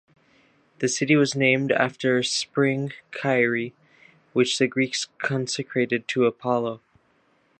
The city was named after a spring, Kyre, which the Greeks consecrated to Apollo.